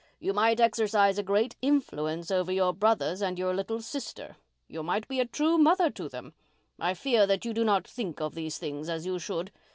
You might exercise a great influence over your brothers and your little sister—you might be a true mother to them. I fear that you do not think of these things as you should.